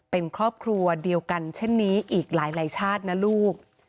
เป็นครอบครัวเดียวกันเช่นนี้อีกหลายชาตินะลูก